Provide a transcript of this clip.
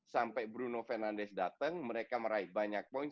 sampai bruno fernandes datang mereka meraih banyak poin